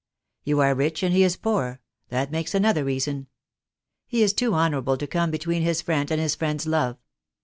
You are rich and he is poor, that makes another reason. He is too honourable to come between his friend and his friend's love.